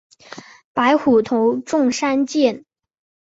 白虎头中三箭。